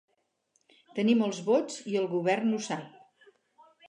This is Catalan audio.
Tenim els vots i el govern ho sap.